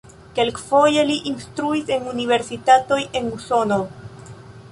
Kelkfoje li instruis en universitatoj en Usono.